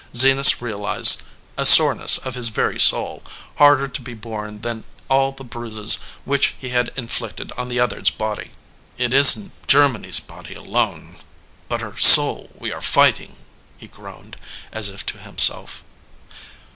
Zenas realized a soreness of his very soul, harder to be borne than all the bruises which he had inflicted on the other s body. "It isn t Germany s body alone, but her soul we are fighting," he groaned, as if to himself.